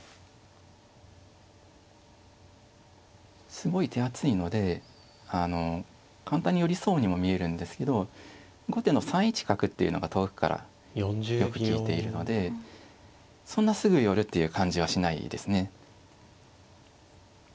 すごい手厚いのであの簡単に寄りそうにも見えるんですけど後手の３一角っていうのが遠くからよく利いているのでそんなすぐ寄るっていう感じはしないですね。